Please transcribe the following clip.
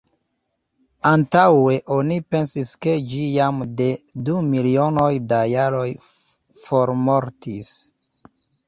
Antaŭe oni pensis ke ĝi jam de du milionoj da jaroj formortis.